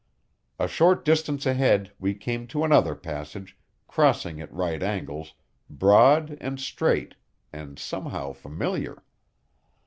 A short distance ahead we came to another passage, crossing at right angles, broad and straight, and somehow familiar.